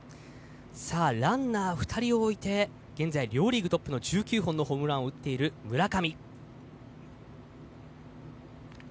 ランナー２人置いて現在両リーグトップの１９本のホームランを打っている村上。